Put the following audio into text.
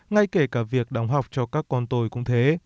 ngay kể cả việc đóng học cho các con tôi cũng thế